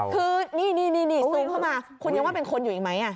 คือนี่ซูมเข้ามาคุณยังว่าเป็นคนอยู่อีกไหม